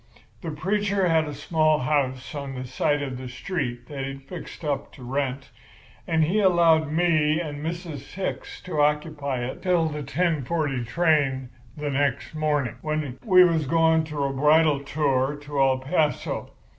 "The preacher had a small house on the side of the street that he'd fixed up to rent; and he allowed me and Mrs. Hicks to occupy it till the ten forty train the next morning, when we was going on a bridal tour to El Paso.